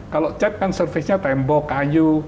kalau cat kan surface nya tembok kayu